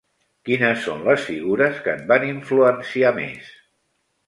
Quines són les figures que et van influenciar més?